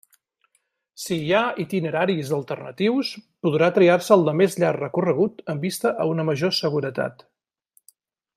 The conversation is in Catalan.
Si hi ha itineraris alternatius, podrà triar-se el de més llarg recorregut amb vista a una major seguretat.